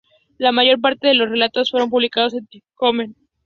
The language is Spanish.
La mayor parte de los relatos fueron publicados en The Token.